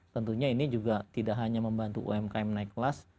tentunya ini juga tidak hanya membantu umkm naik kelas